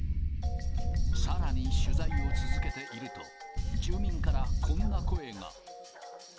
さらに取材を続けていると、住民からこんな声が。